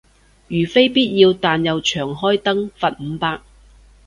如非必要但又長開燈，罰五百